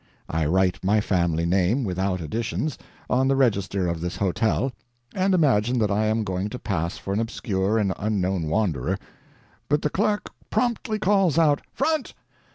I write my family name without additions, on the register of this hotel, and imagine that I am going to pass for an obscure and unknown wanderer, but the clerk promptly calls out, 'Front!